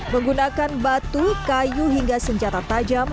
menggunakan batu kayu hingga senjata tajam